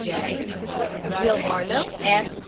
J. DEL VARLO, S.